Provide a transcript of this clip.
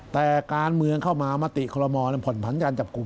แต่การเมืองเข้ามามติคอลโมผ่อนผันการจับกลุ่ม